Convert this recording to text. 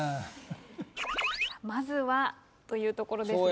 まずはというところですが。